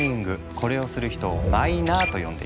これをする人をマイナーと呼んでいる。